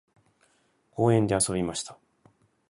公園で遊びました。